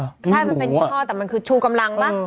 ใช่มันเป็นยี่ห้อแต่มันคือชูกำลังป่ะ